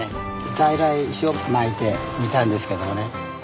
在来種をまいてみたんですけどね。